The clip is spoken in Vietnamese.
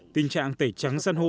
tình trạng tẩy trắng san hô